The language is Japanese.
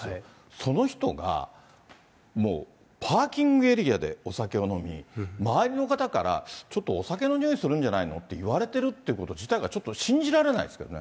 その人がもう、パーキングエリアでお酒を飲み、周りの方から、ちょっとお酒の臭いするんじゃないの？って言われてるってこと自体が、ちょっと信じられないですけどね。